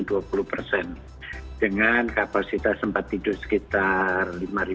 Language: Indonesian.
dengan kapasitas tempat tidur sekitar lima tiga ratus